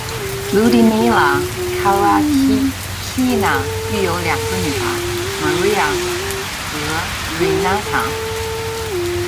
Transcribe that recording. Lyudmila Karachkina 育有两个女儿 ，Maria 和 Renata。